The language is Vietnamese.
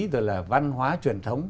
rồi là văn hóa truyền thống